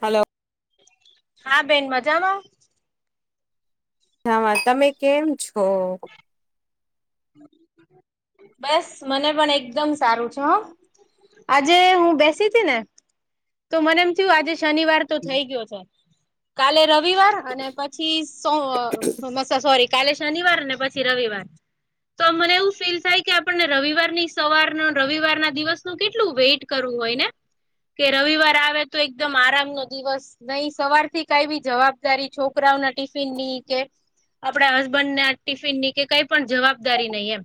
Hello. હા બેન મજામાં? હા તમે કેમ છો? બસ મને પણ એકદમ સારું છે હો. આજે હું બેસી હતી ને તો મને એમ થયું આજે શનિવાર થઈ ગયો છે કાલે રવિવાર અને પછી સ મ સોરી. કાલે શનિવાર ને પછી રવિવાર. તો મને એવું ફીલ થાય કે આપણને રવિવાર ની સવાર રવિવાર ના દિવસ નું કેટલું વેઇટ કરું હોય ને કે રવિવાર આવે તો એકદમ આરામ નો દિવસ. નઈ સવાર થી કઈ બી જવાબદારી છોકરાઓના ટીફિન ની કે આપડા હસબન્ડ ને આ ટિફિન ની કે કઈ પણ જવાબદારી નહી એમ.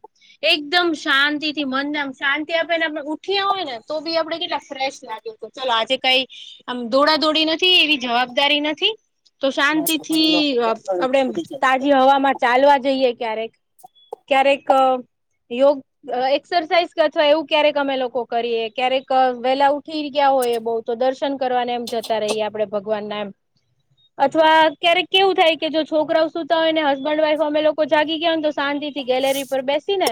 એકદમ શાંતિ થી મનને શાંતિ આપેને આપણે ઉઠીએ હોય ને તો બી આપડે કેટલા ફ્રેશ લાગે. ચાલ આજે કઈ આમ દોડા દોડી નથી એવી જવાબદારી નથી. તો શાંતિ થી આપડે તાજી હવામાં ચાલવા જઈએ ક્યારેક. ક્યારેક યોગ એક્સરસાઇઝ અથવા એવું ક્યારેક અમે લોકો કરીએ ક્યારેક વેલા ઉઠી ગયા હોય બહ તો દર્શન કરવાને એમ જતા રહીએ આપડે ભગવાન ના એમ. અથવા ક્યારેક કેવું થાય કે જો છોકરાઓ સુુતા હોય ને હસબન્ડ વાઈફ અમે લોકો જાગી ગયા ને તો શાંતિ. ગેલેરી પર બેસી ને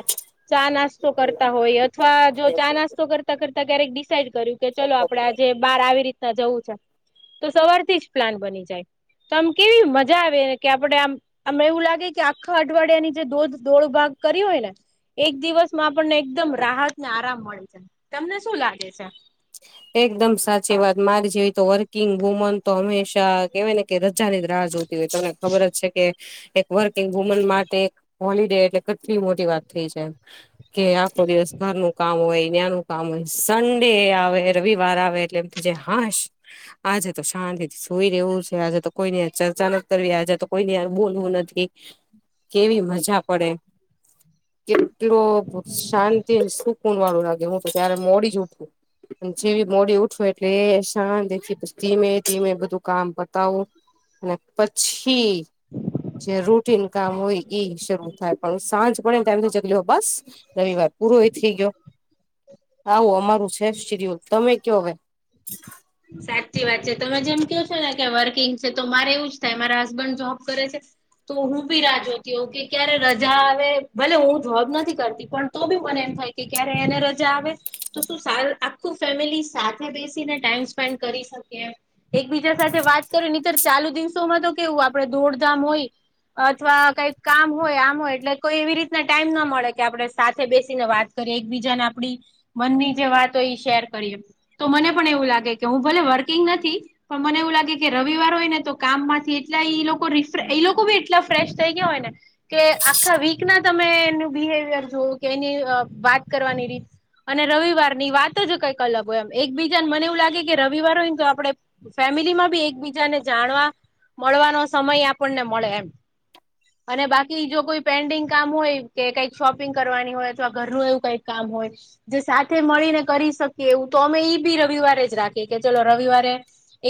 ચા નાસ્તો કરતા હોય અથવા જો ચા નાસ્તો કરતા કરતા કરતા ક્યારેક ડિસાાઈડ કર્યું કે ચલો આપડે આજે બાર આવી રીતના જવું છે. તો સવારથી જ પ્લાન બની જાય. તો આમ કેવી મજા આવે, ને કે આપડે આમ અમ એવું લાગે કે આખા અઠવાડિયા ની જે ધોધ. દોડ ભાગ કરી હોય ને, એક દિવસમાં આપણને એકદમ રાહત ને આરામ મળે છે. તમને શું લાગે છે? એકદમસાચી વાત. મારી જેવી તો વર્કિંગ, વુમન તો હંમેશા.... કે વાય ને કે રજાની જ રાહ જોતી હોય, તમને ખબર જ છે કે, એક વર્કિંગ, વુમન માટે એક હોલિડે એટલે કેટલી મોટી વાત થઈ જાય કે આખો દિવસ ઘર નુ કામ હોય, ના્યાનું કામ હોય સન્ડે હ.. વાર આવે એટલે, એમ થઈ જાય હાશ.. આજે તો શાંતિથી! સૂઈ રેવું છે. આજે તો કોઈનીય હારે ચર્ચા નથી કરવી આજે તો, કોઈની હારે બોલવું નથી. એ કેવી, મજા પડે, ! કેટલો શાંતિ સુકુન વાળું લાગે હું, તો ત્યારે મોડી જ ઉઠું! જેવી મોડી, ઉઠુ એટલે એ શાંતિથી પછી ધીમે - ધીમે બધું કામ પતાવું. અને પછી! જે રૂટીન કામ હોય, ઈ શરૂ થાય પણ સાંજ પડે ન એમ થઈ જાય લો બસ! રવિવાર પૂરો એ થઈ ગયો, આવું અમારું છે. લાઇફ શીડ્યુલ તમે કયો હવે સાચી વાત છે. તમે જેમ કેહયૉ છો ને કે વર્કિંગ છે, તો મારે એવું જ થાય. મારા હસબન્ડ જોબ કરે છે. તો હું બી રા જોતી હો, કે ક્યારે રજા આવે ભલે હું જોબ નથી કરતી પણ, તો બી મને એમ થાય! કે ક્યારે એને રજા આવે, તો શું આખું ફેમિલી સાથે બેસીને ટાઈમસ સ્પેન્ડ કરી શકીએ. એક બીજા સાથે વાત કરી, નીતર ચાલુ દિવસોમાં તો કેવું, આપડે દોડધામ હોય. અથવા કંઈક કામ હોય આમ, હોય એટલે કોઈ એવી રીતના ટાઈમ નો મળે કે આપડે સાથે બેસીને વાત કરીયે એકબીજાને આપડી મનની જે વાત હોય, એ શેર કરીએ તો મને પણ એવું લાગે. કે હું, ભલે વર્કિંગ નથી. પણ મને એવું લાગે કે રવિવાર હોય ને તો કામ માંથી એટલા એ લોકો એ લોકો બી એટલા ફ્રેશ થઈ ગયા હોય ને. કે આખા વીક ના તમે એનું, બિહેવિયર જોઓ કે એની વાત કરવાની રીત. અને રવિવાર ની વાત જ કંઈક અલગ હોય, એમ એકબીજા ને મને એવું લાગે. કે રવિવાર હોય તો, આપણે ફેમિલીમાં બી એકબીજાને જાણવા મળવાનો સમય આપણને મળે એમ અને બાકી જો કોઈ પેન્ડિંગ કામ હોય, કે કઈકં શોપિંગ કરવાની હોય અથવા ઘરનું એવું કઈક કામ હોય જો સાથે મળી ને કરી શકીએ એવું, તો અમે ઈ બી રવિવારે જ રાખીએ કે ચલો રવિવારે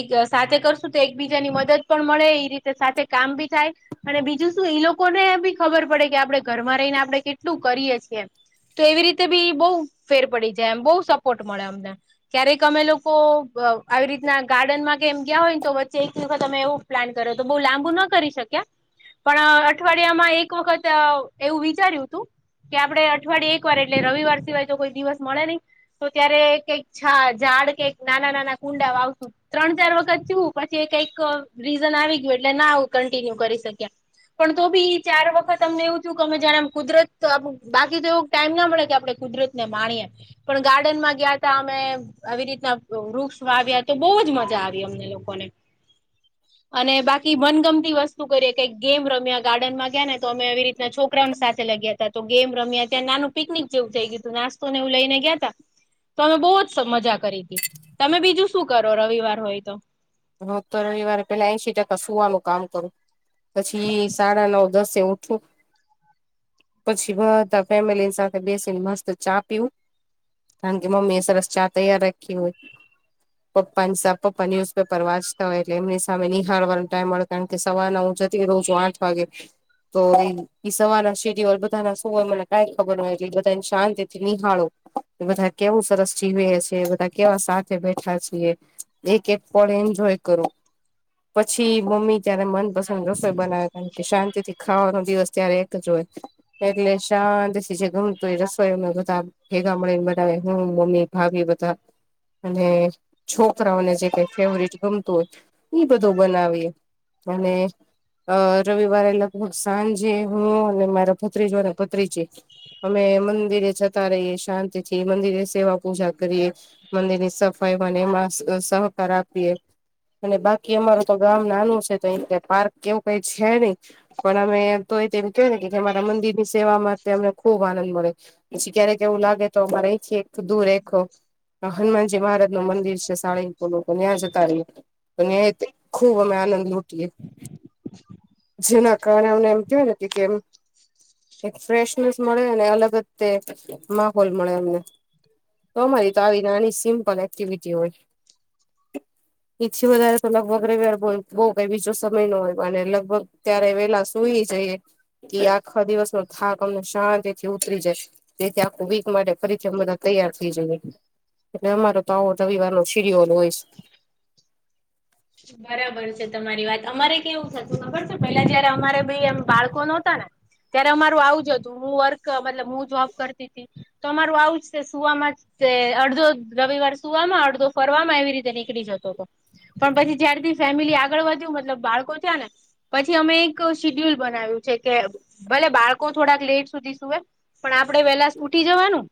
એક સાથે કરશું તો એકબીજાની મદદ પણ મળે એ રીતે સાથે કામ બી થાય. અને બીજું શું ઈ લોકોને બી ખબર પડે કે આપણેે ઘરમાં રહીને આપડણે કેટલું કરીએ છીએ. તો એવી રીતે બી બહુ ફેર પડી જાય. એમ બહુ સપોર્ટ મળે, અમને ક્યારેક અમે લોકો. [unintelligible] આવી રીત ના ગાર્ડન માં કે એમ ગયા. હોય ને તો વચ્ચે એક. તમે એવું પ્લાન કરો તો બહુ લાંબુ ન કરી શક્યા? પણ, અઠવાડિયામાં એક વખત એવું વિચાર્યું હતું. કે આપણે અઠવાડયે એક વાર, એટલે રવિવાર સિવાય તો કોઈ દિવસ મળે નહી. તો ત્યારે કંઈક છા ઝાડ કઈક નાના -નાના કુંડા વાવશું. ત્રણ ચાર વખત થયું. પછી કંઈક રીઝન આવી ગયું. એટલે ના આવું કન્ટિન્યુ કરી શક્યા. પણ તો ભી ચાર વખત અમને એવું થયું. કે અમે જાણેમ કુદરત તો બાકી તો એવુ ટાઈમ ના મળે કે આપણે કુદરતને માણીએ, પણ ગાર્ડનમાં ગયા ત અમે આવી રીતના. વૃક્ષ વાવ્યા તો બહુ જ મજા! આવી અમને લોકોને. અને બાકી મનગમતી વસ્તુ કરીએે કઈ, ગેમ રમ્યા ગાર્ડનમાં ગયા. ને તો અમે એવી રીતના છોકરાઓને સાથે લઈ ગયા. તો ગેમ રમ્યા ત્યા નાનું પિકનિક જેવું થઈ ગય હતું. નાસ્તો ને એવુ લઈને ગયા તા. તો અમે બહુ જ મજા કરી! હતી. તમે બીજું શું કરો રવિવાર હોય તો. હું તો રવિવારે પેલા એ એશી ટકા. સુવાનું કામ કરું. પછી, સાડા નવ દસે ઉઠવું. પછી બધા ફેમિલી સાથે, બેસીને મસ્ત ચા પીવુ. કારણ કે મમ્ીએ સરસ ચા તૈયાર રાખી હોય, પપ્પાની સા પપ્પા ની પેપર વાંચતા હોય એટલે એમની સામે નિહાળવાનો ટાઈમ મળે કારણ કે સવાર ના હું જતી રહું છું આઠ વાગે. તો ઈ સવારના શેડ્યુઅલ બધાના સુવા મને કઈ ખબર નઈ [unintelligible] શાંતિ થી નિહાળુ. બધા કેવું સરસ જીવે છે બધા કેવા સાથે બેઠા છીએ એક એક પણ એન્જોય કરો પછી મમ્મી ત્યારે મન પસ રસોઈ બનાવે કારણ કે શાંતિ થી ખાવાનો દિવસ ત્યારે એક જ હોય. એટલે શાંતિ સી જે ગમતું એ રસોઈ બધા ભેગા મળીને બધા હું મમ્મી ભાભી બધા અને છોકરાઓને જે કઈ ફેવરિટ ગમતો હોય. ઈ બધું બનાવે અને અ રવિવારે લગભગ સાંજે હું અને મારા ભત્રી [unintelligible] ભત્રીજી અમે મંદિરે જતા રહીએ શાંતિ થી મંદિરે સેવા પૂજા કરીએ. મંદિર ની સફાઈ માને એમાં સ સહકાર આપીએ. અને બાકી અમારું તો ગામ નાનું છે તો એ પાર્ક કેવું કઈ છે નહી. પણ અમે તોય તેમ કેય ને કે કે અમારા મંદિર ની સેવા માટે અમને ખુબ આનંદ મળે. પછી ક્યારેક એવું લાગે તો અમારે અહીંથી એક દૂર એક ખા આ હનુમાનજી મહારાજ નું મંદિર છે સારંગપુર નું. તો મેં આ જતા રહીએ ને તે ખૂબ અમે આનંદ લૂંટીએ. જેના કારણે એમ કહેવાય ને તે કેમ એક ફ્રેશનેસ મળે અને અલગ જ તે માહોલ મળે એમને. તો મારી તો આવી નાની સિમ્પલ એક્ટિવિટી હોય. એથી વધારે તો લગભગ રવિવાર બો બો કઈ બીજો સમય નો હોય અને લગભગ ત્યારે વેલા સુ સુઈ જઈએ કે આખા દિવસ નો થાક અમને શાંતિ થી ઉતરી જશે. જેથી આખું વીક માટે ફરીથી બધા તૈયાર થઈ જઈએ. એટલે અમારો તો આવો રવિવાર નો [unintelligible] હોઈશ. બરાબર છે તમારી વાત અમારે કેવું થતું ખબર છે પેલા જયારે અમારે ભાઈ એ બાળકો નો હોતા ને ત્યારે અમારું આવુંજ હતું હું વર્ક મતલબ હું જોબ કરતી તી તો અમારું આવું જ સુવા મા જ તે અડધો રવિવાર સુવામાં અડધો ફરવામાં એવી રીતે નીકળી જતો હતો પણ પછી જ્યારથી ફેમિલી આગળ વધ્યું મતલબ બાળકો થયા ને પછી અમે એક શીડ્યુલ બનાવ્યું છે કે ભલે બાળકો થોડાક લેટ સુધી સુવે પણ આપડે વેલા ઉઠી જવાનું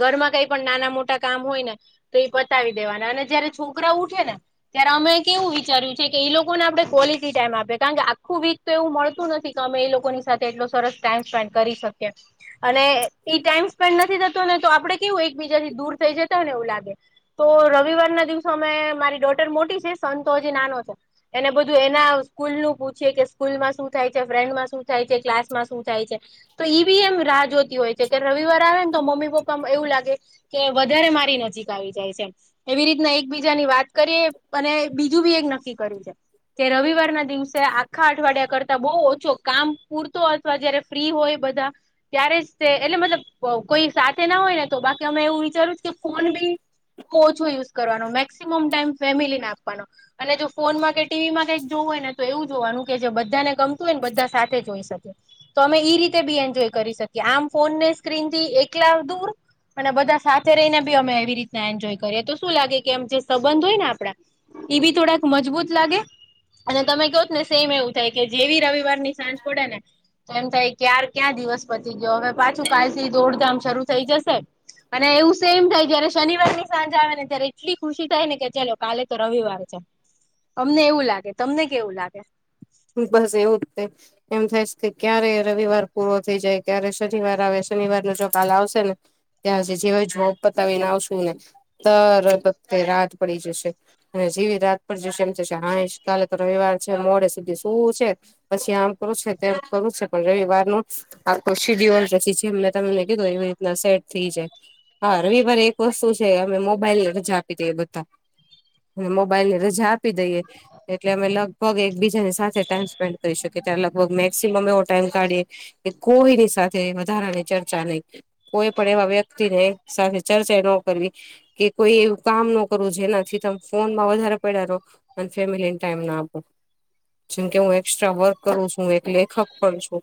ઘરમાં કઈ પણ નાના મોટા કામ હોય ને તો એ પતાવી દેવાના અને જયારે છોકરા ઉઠે ને ત્યારે અમે કેવું વિચાર્યું છે કે એ લોકોને આપડણે ક્વલિટી ટાઈમ આપે કારણ કે આખું વીક તો એવું મળતું નથીમે એ લોકોની સાથે એટલો સરસ ટાઈમ સ્પેન્ડ કરી શકે. અને એ ટાઈમ સ્પેન્ડ નથી થતો ને તો આપડે કેવું એકબીજાથી દૂર થઈ જતા હોય ને એવું લાગે. તો રવિવારના દિવસો અમે મારી ડોટર મોટી છે સન તો હજી નાનો હતો એને બધું એના સ્કૂલ નું પૂછીએ કે સ્કૂલમાં શું થાય છે ફ્રેન્ડમાં શું થાય છે ક્લાસમાં શું થાય છે. તો ઈ બી એમ રાહ જોતી હોય છે કે રવિવાર આવે ને તો મમ્મી પપ્પામાં એવું લાગે કે વધારે મારી નજીક આવી જાય છે એવી રીતના એકબીજાની વાત કરીએ અને બીજું બી એક નક્કી કરી જાય કે રવિવાર ના દિવસે આખા અઠવાડિયા કરતા બહુ ઓછો કામ પૂરતો અ અથવા જયારે ફ્રી હોય બધા ત્યારે જ તે એટલે મતલબ કો કોઈ સાથે ના હોય ને તો બાકી અમે એવું વિચારું કે ફોન બી બો ઓછું યુઝ કરવાનું મેક્સિમમ ટાઈમ ફેમિલીને આપ આપવાનો અને જો ફોનમાં કે ટીવી માં કઈક જોવું હોય ને તો એવું જોવાનું કે જે બધાને ગમતું હોય ને બધા સાથે જોઈ શકે. તો અમે ઈ રીતે બી એન્જોય કરી શકીએ આમ ફોન ને સ્ક્રીન થી એકલા દૂર અને બધા સાથે રહીને બી અમે એવી રીતના એન્જોય કરીએ તો શું લાગે કે એમ જે સંબંધ હોય ને આપડા ઈ બી થોડાક મજબૂત લાગે. અને તમે કહોત ને સેમ એવું થાય કે જેવી રવિવાર ની સાંજ પડે ને તો એમ થાય ક્યાર ક્યાં દિવસ પટ્ટી ગયો હવે પાછું કાલ થી દોડધામ શરૂ થઈ જશે. અને એવું સેમ થાય જયારે શનિવાર ની સાંજ આવે ને ત્યારે એટલી ખુશી થાય ને કે ચાલ કાલે તો રવિવાર છે અમને એવું લાગે તમને કેવું લાગે. બસ એવું જ કંઈ એમ થાય કે ક્યારે રવિવાર પૂરો થઈ જાય ક્યારે શનિવાર આવે શનિવાર ન જો કાલ આવશે ને ત્યાં જે જે હોય જોબ પતાવીને આવશું ને તરત રાત પડી જશે. અને જેવી રાત પર જશે એમ થ હાઈ કાલે તો રવિવાર છે મોડે સુધી શું છે પછી આમ કરું છે તેમ કરું છે પણ રવિવારનું આખો શીડ્યુલ પછી મેં તમને કીધું એવી રીતના સેટ થઈ જાય હા રવિવારે એક વસ્તુ છે અમે મોબાઈલ રજા આપી દ એ બધા અને મોબાઈલ ની રજા આપી દઈએ એટલે અમે લગભગ એકબીજાને સાથે ટાઈમ સ્પેન્ડ કરી શકીકે ત્યારે લગભગ મેક્સિમમ એવો ટાઈમ કાઢીએ કે કોઈની સાથે વધારાની ચર્ચા નહી. કોઈ પણ એવા વ્યક્તિ ને સાથે ચર્ચા ન કરવી કે કોઈ એવું કામ ન કરવું જેનાથી તમે ફોનમાં વધારે પડ્યા રહો. અન ફેમિલી ન ટાઈમ આપો. જેમકે હું એકસ્ટ્રા વર્ક કરું છું એક લેખક પણ છું.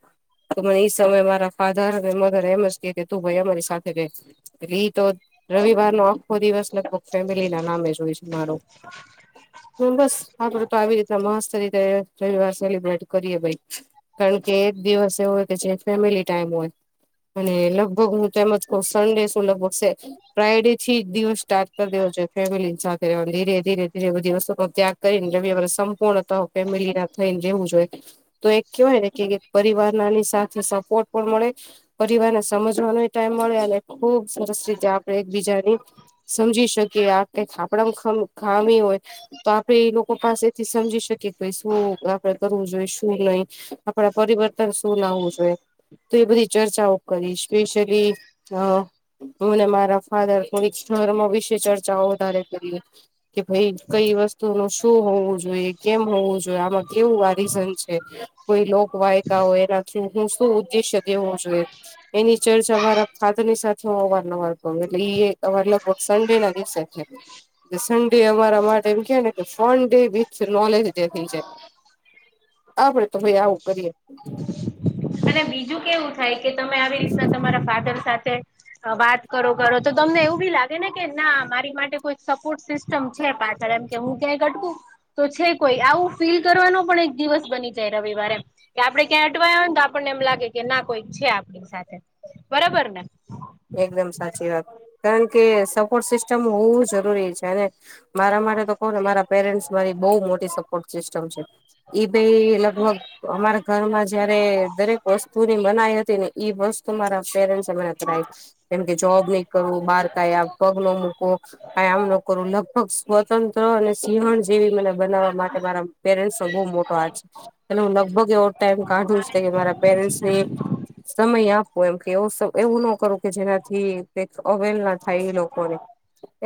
તો મને ઈ સમયે મારા ફાધર મધર એમજ કે કે તું ભાઈ અમારી સાથે રે રી તો રવિવાર નો આખો દિવસ લગભગ ફેમિલી ના નામે જોય છે મારો હ બસ આપડે તો આવી રીતે મસ્ત રીતે રવિવાર સેલિબ્રેટ કરીએ ભાઈ કારણ કે એક દિવસ એ હોય કે જે ફેમિલી ટાઈમ હોય. અને લગભગ હું તેમજ કહ્યું સંડે સુ લગભગ શે. ફ્રાઈડે થી જ દિવસ સ્ટાર્ટ કરી દો જોઈએ ફેમિલી સાથે ધીરે ધીરે ધીરે દિવસો ત કરીને ર સંપૂર્ણ ફેમિલી ના થઈને રહેવું જોઈએ તો એક કેહેવાય ને કે પરિવાર નાની સાથે સપોર્ટ પણ મળે પરિવારને સમજવાનો ટાઈમ મળે અને ખુબ સરસ રીતે આપણે એકબીજાની સમજી શકીએ આ કક આપડા ખામી હોય તો આપડે એ લોકો પાસેથી સમજી શકીએ કેઈ શું આપડે કરવું જોઈએ શું લઈ આપડા પરિવર્તન શું લાવવું જોઈએ. તો એ બધી ચર્ચાઓ કરી સ્પેશિયલી અ મને મારા ફાધર થોડી ધર્મ વિશે ચર્ચાઓ વધારે કરીએ. કે ભાઈ કઈ વસ્તુ નું શું હોવું જોઈએ કેમ હોવું જોઈએ આમાં કેવું આ રીઝન છે. કોઈ લોક વાયકા હોય એનાથી હું શું ઉદ્દેશ્ય દેવું જોઈએ એની ચર્ચા અમારા ફાધરની સાથે હવાર હવાર કરું એટલે ઈ અ લગભગ સડે ના દિવસે છે સડે અમારા માટે એમ કે ને ફડે વિચ નોલેજ જે થઈ જાય આપડે તો ભાઈ આવું કરીએ. અને બીજું કેવું થાય કે તમે આવી રીતના તમારા ફાધર સાથે વાત કરો કરો તો તમને એવું ભી લાગે ને કે ના મારી માટે કોઈ સપોર્ટ સિસ્ટ સિસ્ટમ છે પાછળ એમ કે હું ક્યાંય અટકું તો છે કોઈ આવું ફીલ કરવાનો પણ એક દિવસ બની જાય રવિવારે કે આપડે ક્યાં અટવાય હોય તો આપણને એમ લાગે કે ના કોઈક છે આપણી સાથે બરાબર ને એકદમ સાચી વાત કારણ કે સપોર્ટ સિસ્ટમ હોવું જરૂરી છે અને મારા માટે તો કોણ ને મારા પેરેન્ટ્સ મારી બહ મોટી સપોર્ટ સિસ્ટમ છે. ઈ ભાઈ લગભગ અમારા ઘરમાં જયારે દરેક વસ્તુની મનાઈ હતી ને ઈ વસ્તુ મારા પેરેન્ટસ એમરા કરાઈ કેમકે જોબ નઈ કરવું બાર કઈ પગ ના મૂકો. આ આમ ન કરુ લગભગ સ્વતંત્ર અને સિંહણ જેવી મને બનાવવા માટે મારા પેરેન્ટ્સ બહુ મોટો હાથ છે. એટલે હું લગભગ એવો ટાઈમ કાઢું કે મારા પેરેન્ટ ને સમય આપ પરખે એવું સો એવું ન કરો કે જેનાથી કઈક અવેલ ના થાય એ લોકોને.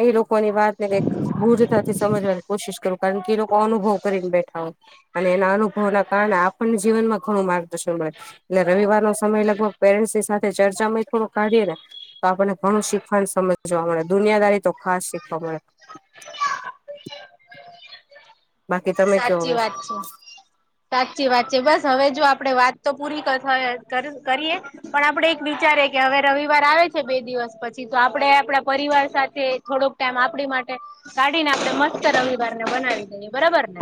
એ લોકોની વાત ને કઈક ભૂરતાથી સમજવાની કોશિશ કરું કારણ કે એ લોકો અનુભવ કરીને બેઠા હો અને એના અનુભવો ના કારણે આપણને જીનમાં ઘણું માર્ગદર્શન મળે. એટલે રવિવારનો સમય લગભગ પેરેન્ટ્સની સાથે ચર્ચામાંય થડો ને તો આપણને ઘણું શીખવાનું સમજવા મળે દુનિયાદારી તો ખાસ શીખવા મળે. બાકી તમે કયો સાચી હવે વાત છે. સાચી વાત છે. બસ હવે જો આપડે વાત તો પૂરી કથ કર કરીએ? પણ આપડે એક વિચારે કે હવે રવિવાર આવે છે બે દિવસ પછી, તો આપડે આપણા પરિવાર સાથે થોડોક ટાઈમ આપડી માટે કાઢીને આપડે મસ્ત રવિવારને બનાવી દઈએ, બરાબર ને?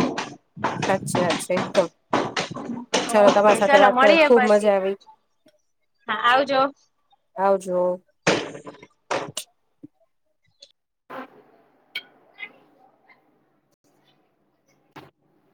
સાચી સાચ છે એકદમ. ચાલો તમારી ઓકે સાથે ચલો વાત કર મળીએ ખુબ પછી મજા આવી. હા આવજો આવજો. [unintelligible]